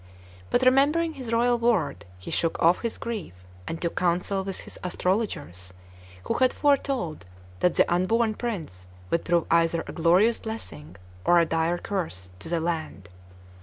But, remembering his royal word, he shook off his grief and took counsel with his astrologers, who had foretold that the unborn prince would prove either a glorious blessing or a dire curse to the land.